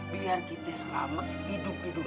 biar kita selamat hidup di dunia